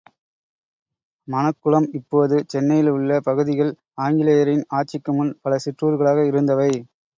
மணக் குளம் இப்போது சென்னையில் உள்ள பகுதிகள், ஆங்கிலேயரின் ஆட்சிக்கு முன் பல சிற்றூர்களாக இருந்தவை.